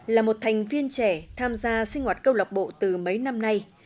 là một thành viên trẻ tham gia sinh hoạt câu lạc bộ từ mấy năm nay